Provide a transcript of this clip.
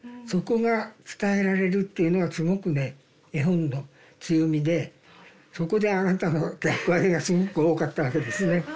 そこが伝えられるっていうのはすごくね絵本の強みでそこであなたの役割がすごく多かったわけですね。